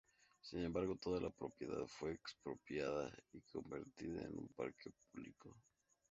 Sin embargo toda la propiedad fue expropiada y convertida en un parque público.